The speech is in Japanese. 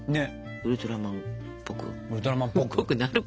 ウルトラマンっぽくなるか？